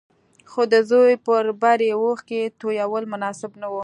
خو د زوی پر بري اوښکې تويول مناسب نه وو.